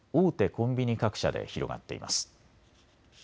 コンビニ各社で広がっています。